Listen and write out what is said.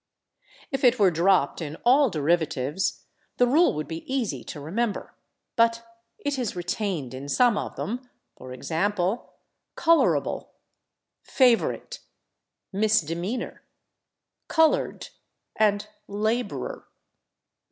If it were dropped in all derivatives the rule would be easy to remember, but it is retained in some of them, for example, /colourable/, /favourite/, /misdemeanour/, /coloured/ and /labourer